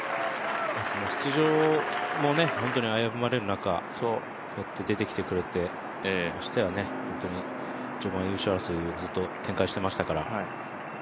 出場も危ぶまれる中、こうやって出てきてくれて、ましてや序盤、優勝争いをずっと展開していましたから。